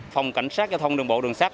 phòng cảnh sát giao thông đường bộ đường sát